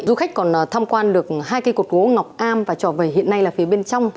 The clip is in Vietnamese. du khách còn tham quan được hai cây cột gỗ ngọc am và trở về hiện nay là phía bên trong